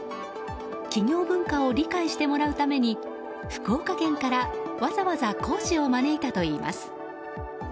企業文化を理解してもらうために福岡県からわざわざ講師を招いたといいます。